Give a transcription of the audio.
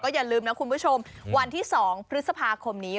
อย่าลืมนะคุณผู้ชมวันที่๒พฤษภาคมนี้